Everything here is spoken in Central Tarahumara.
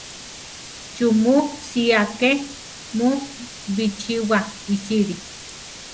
¿Chú mu sía ké mu bichíwa iʼsíli?